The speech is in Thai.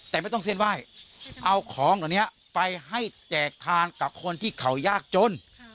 แต่ไม่ต้องเส้นไหว้เอาของเหล่านี้ไปให้แจกทานกับคนที่เขายากจน